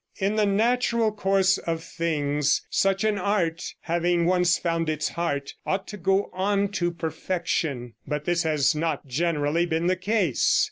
In the natural course of things such an art, having once found its heart, ought to go on to perfection; but this has not generally been the case.